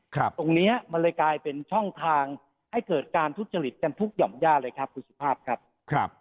ตรงนี้มันเลยกลายเป็นช่องทางให้เกิดการทุจริตกันทุกหย่อมย่าเลยครับคุณสุภาพครับ